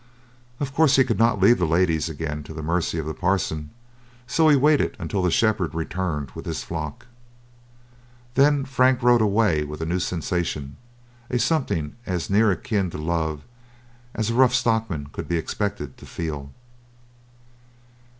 Of course he could not leave the ladies again to the mercy of the Parson, so he waited until the shepherd returned with his flock. Then Frank rode away with a new sensation, a something as near akin to love as a rough stockman could be expected to feel.